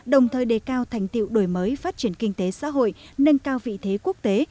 đồng thời đề cao thành tiệu đổi mới phát triển kinh tế xã hội nâng cao vị thế quốc tế